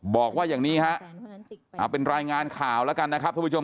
บอกว่าอย่างนี้ฮะเอาเป็นรายงานข่าวแล้วกันนะครับทุกผู้ชม